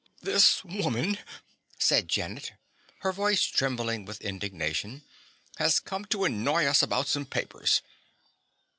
"This woman," said Janet, her voice trembling with indignation, "has come to annoy us about some papers."